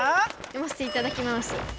読ませていただきます。